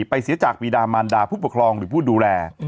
เสียจากปีดามันดาผู้ปกครองหรือผู้ดูแล